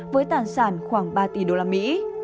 với tản sản khoảng ba triệu tỷ